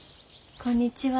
こんにちは。